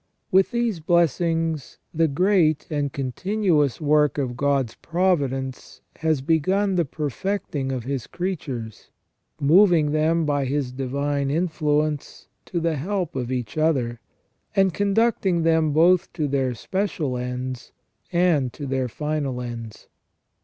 With these blessings the great and continuous work of God's providence has begun the perfecting of His creatures, moving them by His divine influence to the help of each other, and conducting them both to their special ends and to their final ends.